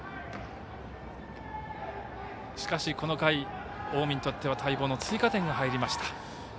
しかし、この回近江にとっては待望の追加点が入りました。